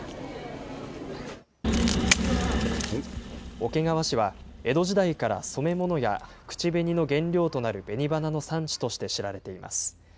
桶川市は江戸時代から染め物や口紅の原料となる紅花の産地として知られています。